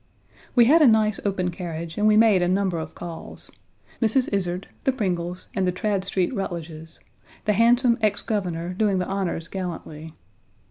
We had a nice open carriage, and we made a number of calls, Mrs. Izard, the Pringles, and the Tradd Street Rutledges, the handsome ex Governor doing the honors gallantly.